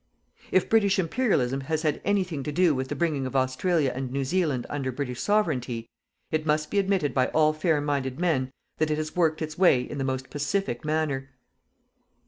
If British Imperialism has had anything to do with the bringing of Australia and New Zealand under British Sovereignty, it must be admitted by all fair minded men that it has worked its way in the most pacific manner.